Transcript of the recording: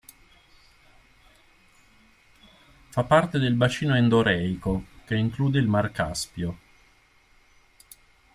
Fa parte del bacino endoreico che include il mar Caspio.